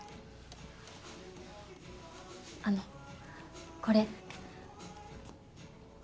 あのこれ。